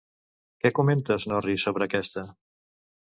Què comenta Snorri sobre aquesta?